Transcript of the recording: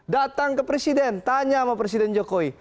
datang ke presiden tanya sama presiden jokowi